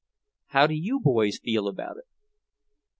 "How do you boys feel about it?"